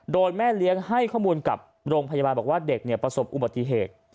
โดยแม่เลี้ยงให้ข้อมูลกับโรงพยาบาลบอกว่าเด็กประสบอุบัติเหตุ